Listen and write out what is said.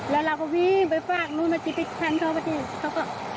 แล้วเราก็วิ่งไปฝากนู้นเมื่อกี้ไปทันเค้าเมื่อกี้เค้าก็